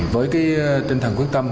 với tinh thần quyết tâm